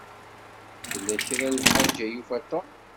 Tella kra n lḥaǧa i yufa Tom.